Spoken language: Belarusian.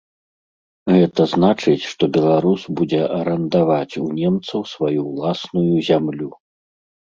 Гэта значыць, што беларус будзе арандаваць у немцаў сваю ўласную зямлю.